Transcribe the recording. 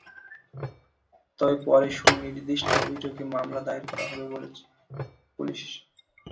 তবে পরে সুনির্দিষ্ট অভিযোগে মামলা দায়ের করা হবে বলে বলছে পুলিশ।